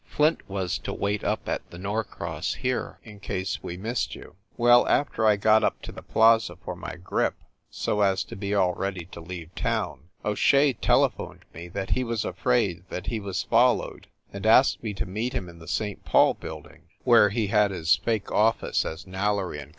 Flint was to wait up at the Norcross, here, in case we missed you. Well, after I got up to the Plaza for my grip, so as to be all ready to leave town, O Shea telephoned me that he was afraid that he was followed, and asked me to meet him in the St. Paul building, where he had his fake office, as Nailery & Co.